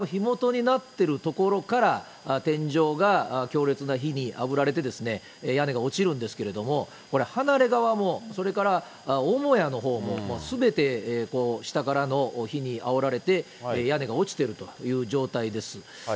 木造の瓦の、昔ながらという言い方を申し上げると、住宅なんですが、普通は火元になっている所から、天井が強烈な火にあぶられて、屋根が落ちるんですけれども、これ、離れ側もそれから母屋のほうも、もうすべて下からの火にあおられて、屋根が落ちてるという状態です。